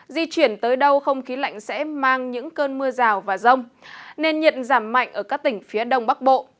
di chuyển tới đâu không khí lạnh sẽ mang những cơn mưa rào và rông nên nhiệt giảm mạnh ở các tỉnh phía đông bắc bộ